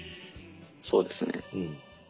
そうですね。